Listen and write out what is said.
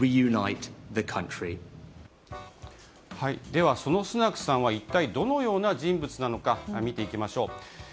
では、そのスナクさんは一体どのような人物なのか見ていきましょう。